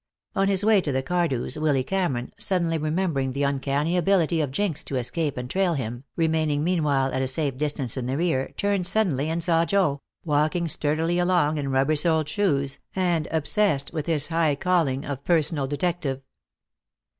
On his way to the Cardews Willy Cameron, suddenly remembering the uncanny ability of Jinx to escape and trail him, remaining meanwhile at a safe distance in the rear, turned suddenly and saw Joe, walking sturdily along in rubber soled shoes, and obsessed with his high calling of personal detective.